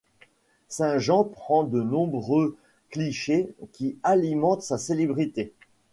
St-Jean prend de nombreux clichés qui alimentent sa célébrité.